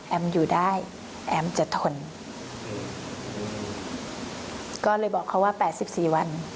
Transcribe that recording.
แอมอยู่ได้แอมจะทนก็เลยบอกเขาว่า๘๔วัน